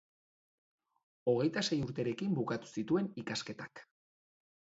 Hogeita sei urterekin bukatu zituen ikasketak.